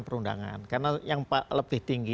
perundangan karena yang lebih tinggi